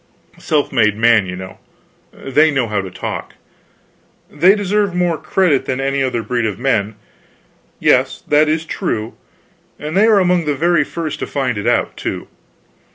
Self made man, you know. They know how to talk. They do deserve more credit than any other breed of men, yes, that is true; and they are among the very first to find it out, too.